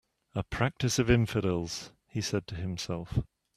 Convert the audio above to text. "A practice of infidels," he said to himself.